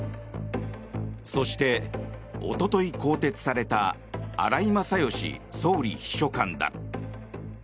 そして、おととい更迭された荒井勝喜総理秘書官だ。